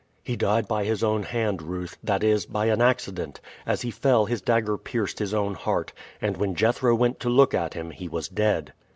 "He died by his own hand, Ruth that is, by an accident. As he fell his dagger pierced his own heart, and when Jethro went to look at him he was dead."